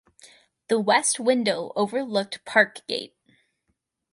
The west window overlooked Parkgate.